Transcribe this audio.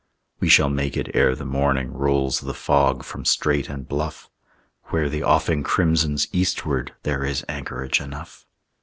We shall make it ere the morning Rolls the fog from strait and bluff; Where the offing crimsons eastward There is anchorage enough.